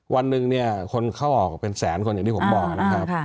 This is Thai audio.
วันหนึ่งเนี่ยคนเข้าออกเป็นแสนคนอย่างที่ผมบอกนะครับ